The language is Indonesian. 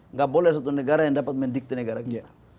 nggak boleh satu negara yang dapat mendikti negara kita